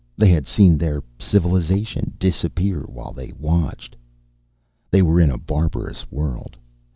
They had seen their civilization disappear while they watched. They were in a barbarous world.